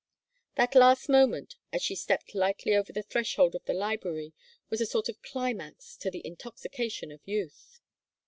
That last moment, as she stepped lightly over the threshold of the library, was a sort of climax to the intoxication of youth.